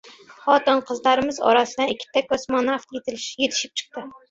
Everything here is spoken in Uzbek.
Xotin-qizlarimiz orasidan ikkita kosmonavt yetishib chiqdi.